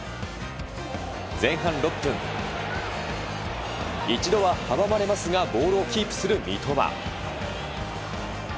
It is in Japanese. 前半６分、一度は阻まれますがボールをキープする三笘。